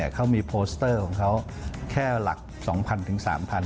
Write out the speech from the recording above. เขามีโปสเตอร์ของเขาแค่หลัก๒๐๐ถึง๓๐๐